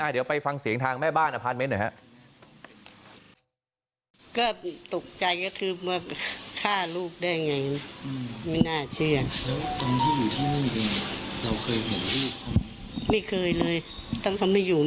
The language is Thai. เดี๋ยวไปฟังเสียงทางแม่บ้านอพาร์ทเมนต์หน่อยครับ